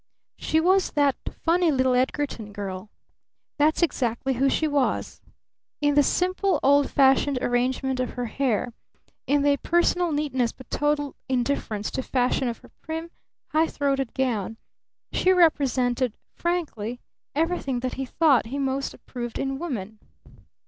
She was that "funny little Edgarton girl." That's exactly who she was! In the simple, old fashioned arrangement of her hair, in the personal neatness but total indifference to fashion of her prim, high throated gown, she represented frankly everything that he thought he most approved in woman.